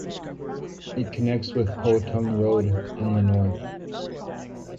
It connects with Po Tung Road in the north.